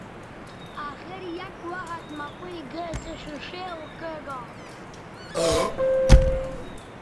اخر یک وخت مہ پئیں گھئے سو ݜیݜے اوکیگا